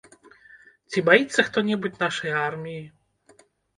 Ці баіцца хто-небудзь нашай арміі?